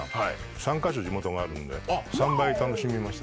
３か所、地元があるんで、３倍楽しみました。